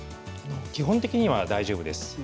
基本的には大丈夫です。